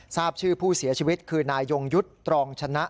ทราบชื่อผู้เสียชีวิตคือนายยงยุทธ์ตรองชนะ